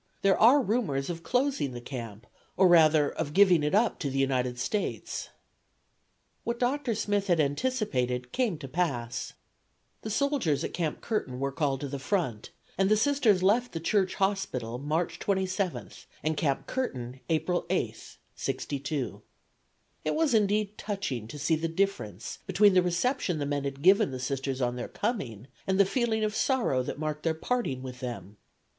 There are rumors of closing the camp or rather of giving it up to the United States." What Dr. Smith had anticipated came to pass; the soldiers at Camp Curtin were called to the front, and the Sisters left the Church Hospital March 27, and Camp Curtin April 8, '62. It was indeed touching to see the difference between the reception the men had given the Sisters on their coming and the feeling of sorrow that marked their parting with them.